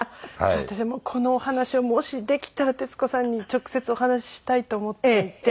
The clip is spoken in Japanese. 私もこのお話をもしできたら徹子さんに直接お話ししたいと思っていて。